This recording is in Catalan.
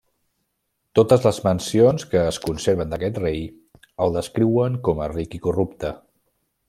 Totes les mencions que es conserven d'aquest rei el descriuen com a ric i corrupte.